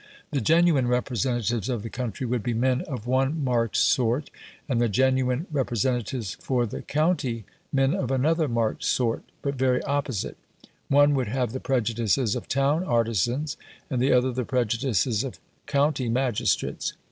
The genuine representatives of the country would be men of one marked sort, and the genuine representatives for the county men of another marked sort, but very opposite: one would have the prejudices of town artisans, and the other the prejudices of county magistrates.